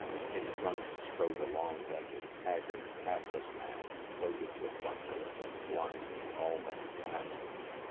In front strode a long legged, haggard, hatless man, loaded with bundles and blind to all that he passed.